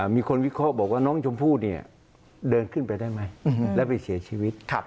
มีคนวิเคราะห์บอกว่าน้องชมพู่เนี่ยเดินขึ้นไปได้ไหมแล้วไปเสียชีวิต